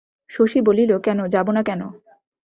শশী বলিল, কেন, যাব না কেন?